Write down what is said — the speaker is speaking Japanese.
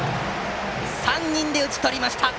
３人で打ち取りました。